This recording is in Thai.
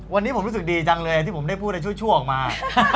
วันนี้ผมรู้สึกดีจังเลยที่ผมได้พูดชั่วออกมา